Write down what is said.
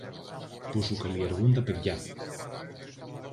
που σου καλλιεργούν τα παιδιά.